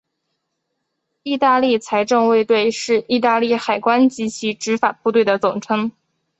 意大利财政卫队是意大利海关及其执法部队的总称。